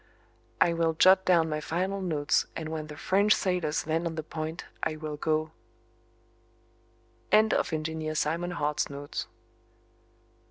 I will jot down my final notes and when the French sailors land on the point I will go END OF ENGINEER SIMON HART'S NOTES.